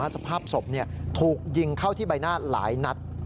สภาพศพถูกยิงเข้าที่ใบหน้าหลายนัด